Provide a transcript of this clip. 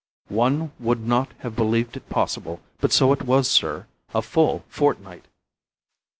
"One would not have believed it possible; but so it was, sir. A full fortnight."